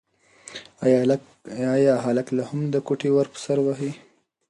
ایا هلک لا هم د کوټې ور په سر وهي؟